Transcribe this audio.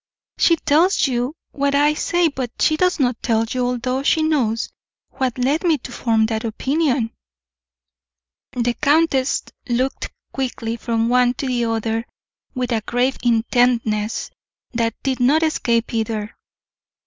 "She tells you what I say, but she does not tell you, although she knows, what led me to form that opinion." The countess looked quickly from one to the other with a grave intentness that did not escape either.